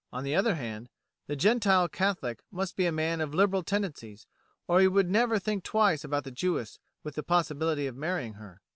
On the other hand, the Gentile Catholic must be a man of liberal tendencies, or he would never think twice about the Jewess with the possibility of marrying her.